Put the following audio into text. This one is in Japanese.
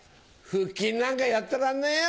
腹筋なんかやってらんねえよ！